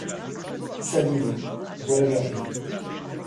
S’abîmer, voilà leur vie.